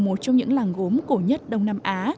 một trong những làng gốm cổ nhất đông nam á